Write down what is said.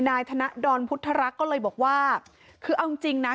นายธนดรพุทธรักษ์ก็เลยบอกว่าคือเอาจริงจริงนะ